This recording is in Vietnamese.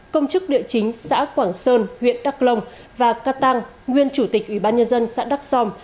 công chức địa chính xã quảng sơn huyện đắk lông và ca tăng nguyên chủ tịch ủy ban nhân dân xã đắk som